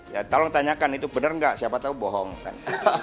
ya tolong tanyakan itu benar nggak siapa tahu bohong kan